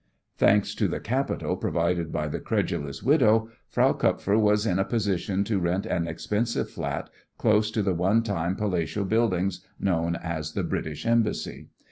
Thanks to the capital provided by the credulous widow, Frau Kupfer was in a position to rent an expensive flat close to the one time palatial building known as the British Embassy.